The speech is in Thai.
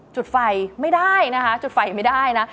จุดไฟไม่ได้นะคะจุดไฟไม่ได้นะ